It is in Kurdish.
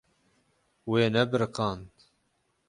Wê nebiriqand.